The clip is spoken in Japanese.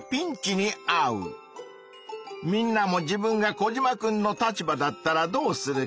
みんなも自分がコジマくんの立場だったらどうするか？